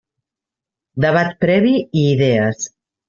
Debat previ i idees.